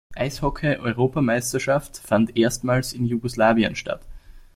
Eishockey-Europameisterschaft fand erstmals in Jugoslawien statt.